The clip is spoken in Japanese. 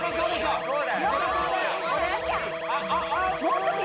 もうちょっと。